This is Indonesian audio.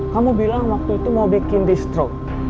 kamu bilang waktu itu mau bikin distroke